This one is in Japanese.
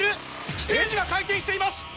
ステージが回転しています！